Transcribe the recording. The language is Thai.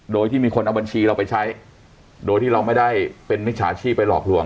โดยที่มีคนเอาบัญชีเราไปใช้โดยที่เราไม่ได้เป็นมิจฉาชีพไปหลอกลวง